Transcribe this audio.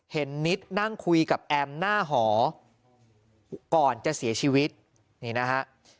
นิดนั่งคุยกับแอมหน้าหอก่อนจะเสียชีวิตนี่นะฮะ